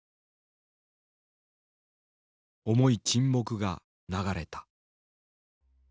重い沈黙が流れた。